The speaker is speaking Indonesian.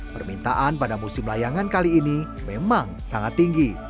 permintaan pada musim layangan kali ini memang sangat tinggi